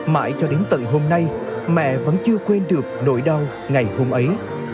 mãi cho đến tận hôm nay mẹ vẫn chưa quên được nỗi đau ngày hôm ấy